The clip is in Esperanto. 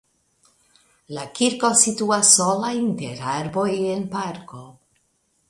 La kirko situas sola inter arboj en parko.